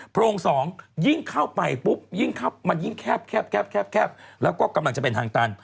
โรงสองยิ่งเข้าไปปุ๊บยิ่งมันยิ่งแคบแล้วก็กำลังจะเป็นทางตัน